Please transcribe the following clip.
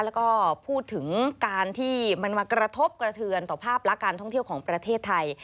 แล้วก็พูดถึงการที่มันมากระทบกระเทือนต่อภาพลักษณ์การท่องเที่ยวของประเทศไทย